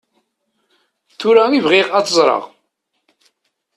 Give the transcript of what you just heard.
Tura i bɣiɣ ad t-ẓreɣ.